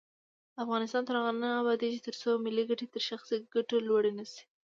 افغانستان تر هغو نه ابادیږي، ترڅو ملي ګټې تر شخصي ګټو لوړې نشي.